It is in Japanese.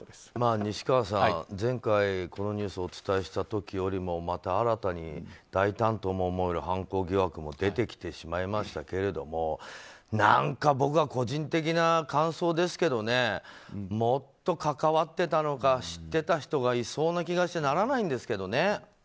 西川さん、前回このニュースをお伝えした時よりも新たに大胆と思われる犯行手口も出てきてしまいましたけど何か、僕は個人的な感想ですけどもっと関わってたのか知ってた人がいそうな気がしてならないんですけどね。